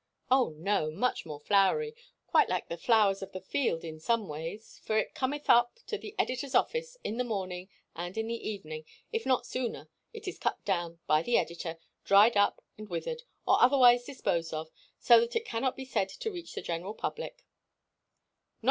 "Oh, no! Much more flowery quite like the flowers of the field in some ways, for it cometh up to the editor's office in the morning, and in the evening, if not sooner, it is cut down by the editor dried up, and withered, or otherwise disposed of, so that it cannot be said to reach the general public."